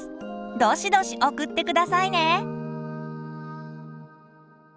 どしどし送って下さいね！